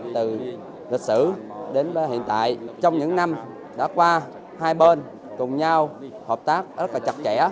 từ lịch sử đến hiện tại trong những năm đã qua hai bên cùng nhau hợp tác rất là chặt chẽ